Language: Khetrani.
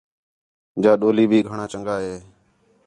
جا ڈولی بھی گھݨاں چَنڳا ہِے